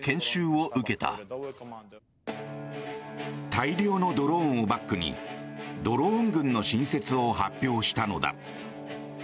大量のドローンをバックにドローン軍の新設を発表したのだ。